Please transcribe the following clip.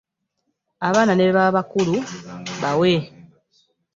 Abaana ne bwe baba bakulu bawe.